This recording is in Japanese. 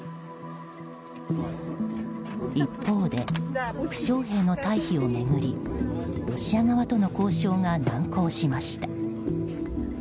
一方で、負傷兵の退避を巡りロシア側との交渉が難航しました。